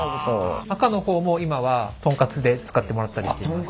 赤のほうも今はトンカツで使ってもらったりしています。